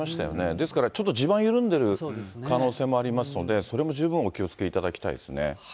ですから、ちょっと地盤緩んでる可能性もありますので、それも十分お気をつけいただきたいですね。